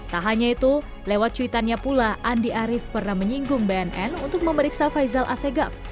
tak hanya itu lewat cuitannya pula andi arief pernah menyinggung bnn untuk memeriksa faisal asegaf